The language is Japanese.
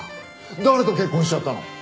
誰と結婚しちゃったの？